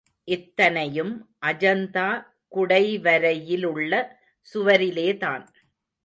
இத்தனையும் அஜந்தா குடைவரையிலுள்ள சுவரிலேதான்.